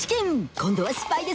今度はスパイで？